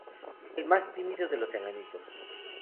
El más tímido de los enanitos.